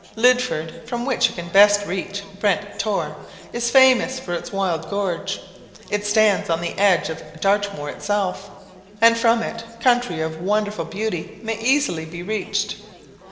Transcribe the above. Lydford, from which you can best reach Brent Tor, is famous for its wild gorge. It stands on the edge of Dartmoor itself, and from it country of wonderful beauty may easily be reached.